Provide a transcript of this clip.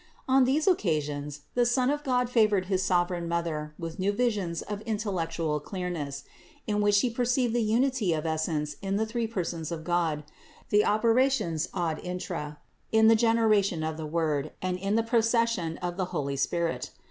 On these occa sions the Son of God favored his sovereign Mother with new visions of intellectual clearness, in which She per ceived the unity of Essence in the three persons of God, the operations ad intra, in the generation of the Word, and in the procession of the Holy Spirit.